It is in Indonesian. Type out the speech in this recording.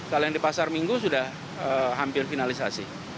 kalau yang di pasar minggu sudah hampir finalisasi